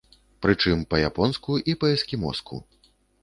Прычым, па-японску і па-эскімоску.